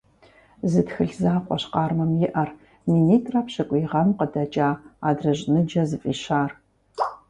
Зы тхылъ закъуэщ Къармэм иӀэр – минитӀрэ пщыкӀуй гъэм къыдэкӀа «АдрыщӀ ныджэ» зыфӀищар.